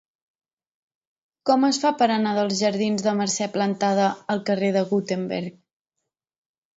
Com es fa per anar dels jardins de Mercè Plantada al carrer de Gutenberg?